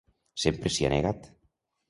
Sempre s’hi ha negat.